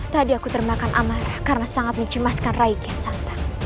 tadi aku termakan amarah karena sangat mencemaskan rais yang santan